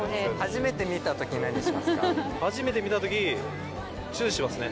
初めて見た時チュしますね。